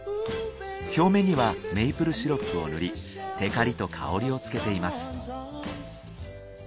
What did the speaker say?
表面にはメイプルシロップを塗りてかりと香りをつけています。